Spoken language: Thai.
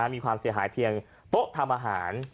มีความเสียหายเพียงโต๊ะทำอาหาร